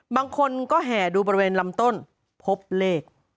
บางคนก็แห่ดูบริเวณลำต้นพบเลข